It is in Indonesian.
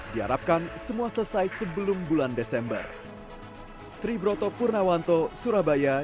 diharapkan semua selesai sebelum bulan desember